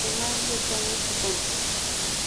Además de caños y fuentes.